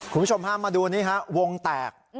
คุณผู้ชมพามาดูนี่ฮะวงแตก